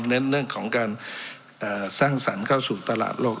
เน้นเรื่องของการสร้างสรรค์เข้าสู่ตลาดโลก